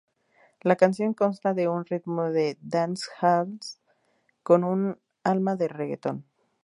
La canción consta de un ritmo de dancehall con un "alma de Reguetón".